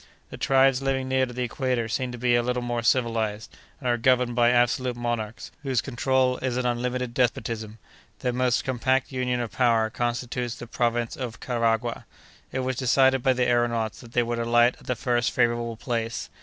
The tribes living near to the equator seem to be a little more civilized, and are governed by absolute monarchs, whose control is an unlimited despotism. Their most compact union of power constitutes the province of Karagwah. It was decided by the aëronauts that they would alight at the first favorable place.